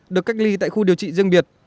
được cách ly tại khu điều trị riêng biệt